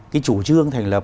cái chủ trương thành lập